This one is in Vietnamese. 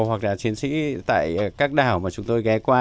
hoặc là chiến sĩ tại các đảo mà chúng tôi ghé qua